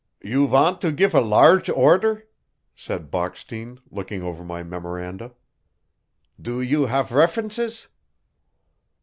"You wand to gif a larch order?" said Bockstein, looking over my memoranda. "Do you haf references?"